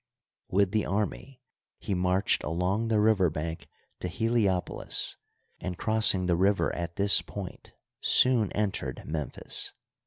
With the army he marched along the river bank to Heliopolis, and crossing the river at this point soon entered Memphis.